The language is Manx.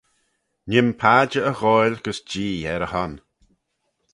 Nee'm padjer y ghoaill gys Jee er y hon.